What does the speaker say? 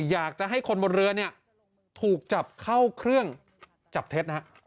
อยากจะให้คนบนเรือเนี่ยถูกจับเข้าเครื่องจับเท็จนะฮะ